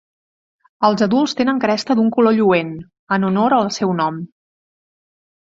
Els adults tenen cresta d'un color lluent, en honor al seu nom.